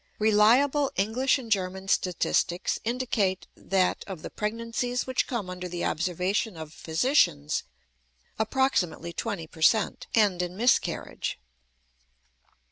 Reliable English and German statistics indicate that of the pregnancies which come under the observation of physicians approximately twenty per cent, end in miscarriage.